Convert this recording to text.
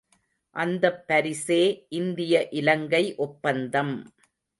அந்தப் பரிசே இந்திய இலங்கை ஒப்பந்தம்.